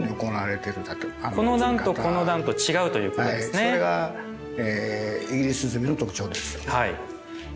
それがイギリス積みの特徴です。